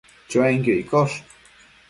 Chuenquio iccosh